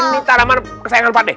atau taraman kesayangan pak d